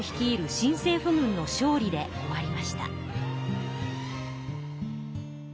新政府軍の勝利で終わりました。